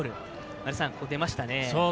前田さん、出ましたね。